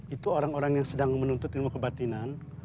itu orang orang yang sedang menuntut ilmu kebatinan